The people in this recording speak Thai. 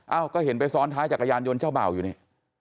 ก็เห็นไปซ้อนท้ายจักรยานยนต์เจ้าเบ่าอยู่นี่